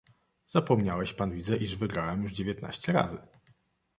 "Zapomniałeś pan widzę, iż wygrałem już dziewiętnaście razy!"